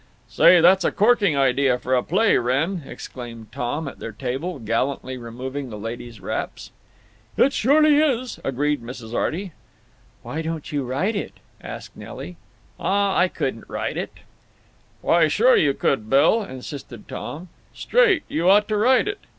"Say, that's a corking idea for a play, Wrenn," exclaimed Tom, at their table, gallantly removing the ladies' wraps. "It surely is," agreed Mrs. Arty. "Why don't you write it?" asked Nelly. "Aw—I couldn't write it!" "Why, sure you could, Bill," insisted Tom. "Straight; you ought to write it.